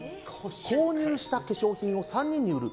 購入した化粧品を３人に売る。